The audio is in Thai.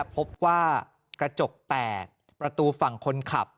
พบว่ากระจกแตกประตูฝั่งคนขับ